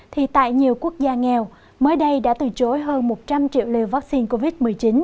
thì tại nhiều quốc gia nghèo mới đây đã từ chối hơn một trăm linh triệu liều vaccine covid một mươi chín